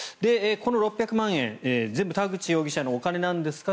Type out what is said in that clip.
この６００万円全部、田口容疑者のお金なんですか？